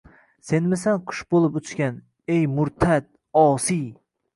Senmisan qush bo’lib uchgan?!! Ey, murtad… Osiy!